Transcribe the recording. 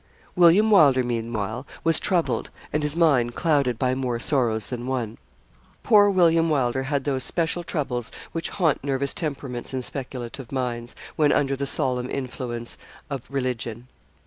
William Wylder, meanwhile, was troubled, and his mind clouded by more sorrows than one. Poor William Wylder had those special troubles which haunt nervous temperaments and speculative minds, when under the solemn influence of religion.